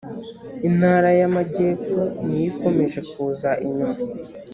intara y’amajyepfo niyo ikomeje kuza inyuma .